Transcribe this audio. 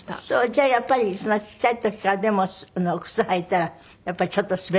じゃあやっぱりちっちゃい時からでも靴履いたらやっぱりちょっと滑ってみようって。